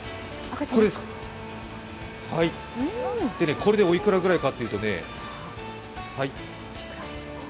これでおいくらぐらいかというと、はい。